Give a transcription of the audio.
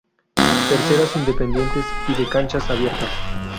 Terceras Independientes y de Canchas Abiertas